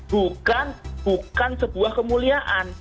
bukan bukan sebuah kemuliaan